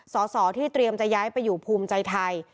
สอสอที่เตรียมจะย้ายไปอยู่ภูมิใจไทย